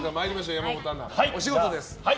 山本アナ、お仕事です。